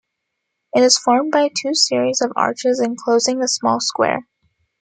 It is formed by two series of arches enclosing a small square.